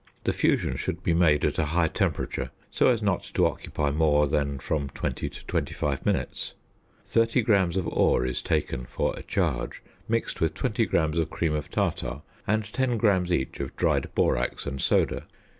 The fusion should be made at a high temperature, so as not to occupy more than from 20 to 25 minutes. Thirty grams of ore is taken for a charge, mixed with 20 grams of cream of tartar, and 10 grams each of dried borax and soda.